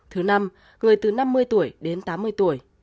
thứ năm người từ năm mươi tuổi đến tám mươi tuổi